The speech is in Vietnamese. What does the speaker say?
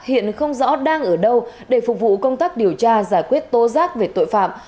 hiện không rõ đang ở đâu để phục vụ công tác điều tra giải quyết tố giác về tội phạm